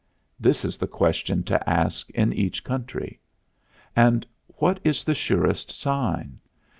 This is the question to ask in each country. And what is the surest sign?